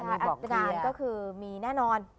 อาการก็คือมีแน่นอน